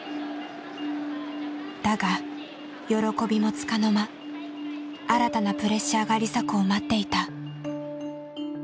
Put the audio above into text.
だが喜びもつかの間新たなプレッシャーが梨紗子を待っていた。